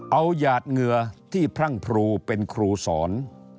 เอาหยาดเหงื่อที่พรั่งพรูเป็นครูสอน